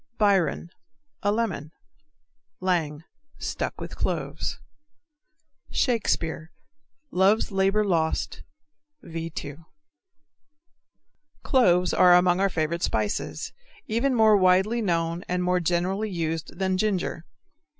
Biron A lemon. Lang Stuck with cloves. Shakespeare, Love's Labor Lost, V. 2. Cloves are among our favorite spices, even more widely known and more generally used than ginger.